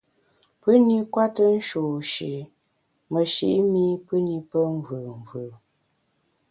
Pù-ni kwete nshôsh-i meshi’ mi pù ni pe mvùù mvù.